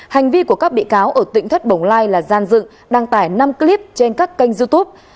hành vi của các bị cáo ở tỉnh thất bồng lai là gian dựng đăng tải năm clip trên các kênh youtube